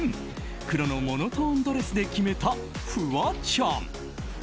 黒のモノトーンドレスで決めたフワちゃん。